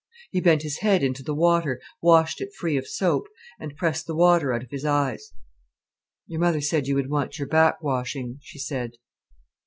He bent his head into the water, washed it free of soap, and pressed the water out of his eyes. "Your mother said you would want your back washing," she said.